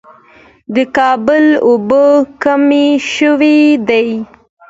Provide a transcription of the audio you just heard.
د کابل اوبه کمې شوې دي